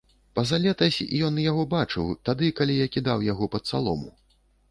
Пазалетась ён яго бачыў, тады, калі я кідаў яго пад салому.